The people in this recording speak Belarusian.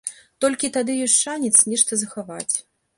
Толькі тады ёсць шанец нешта захаваць.